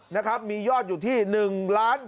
นะครับมียอดอยู่ที่๑๒๖๐๐๐๐บาท